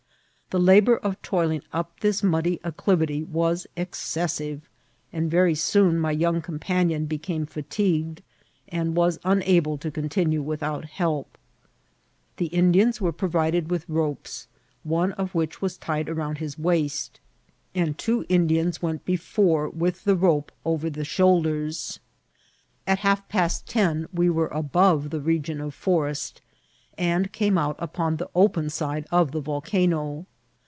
The labour of toiling up this muddy acclivity was excessive, and very soon my young companion be* came fatigued, and was unable to continue without help. The Indians were provided with ropes, one of which was tied around his waist, and two Indians went Vol. I. — ^M n S74 INCIDKNT8 OF TEAVKL. before with the rope oyer the shoulders. At half past ten we were above the region of forest, and came out upon the open side of the volcano.